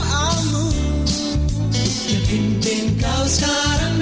yang intim kau sekarang